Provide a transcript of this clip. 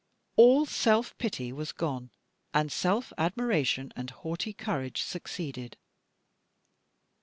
All self pity was gone; and self admiration, and haughty courage succeeded.